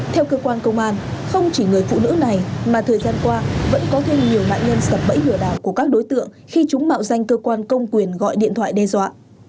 theo cơ quan công an không chỉ người phụ nữ này mà thời gian qua vẫn có thêm nhiều nạn nhân sập bẫy lừa đảo của các đối tượng khi chúng mạo danh cơ quan công quyền gọi điện thoại đe dọa